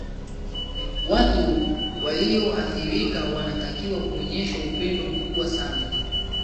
watu waliyoathirika wanatakiwa kuonyeshwa upendo mkubwa sana